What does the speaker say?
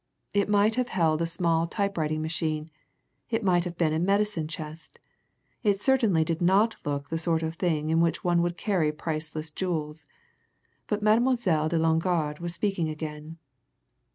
It might have held a small type writing machine; it might have been a medicine chest; it certainly did not look the sort of thing in which one would carry priceless jewels. But Mademoiselle de Longarde was speaking again.